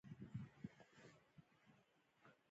ځینې متلونه افسانوي رنګ لري لکه په ګیدړې پورې خپل پوست اور دی